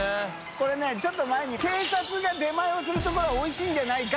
これねちょっと前に警察が出前をするところはおいしいんじゃないか？